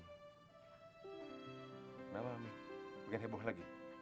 kenapa mami bukan heboh lagi